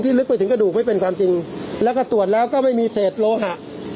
ลึกไปถึงกระดูกไม่เป็นความจริงแล้วก็ตรวจแล้วก็ไม่มีเศษโลหะ